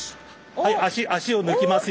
はい足を抜きますよ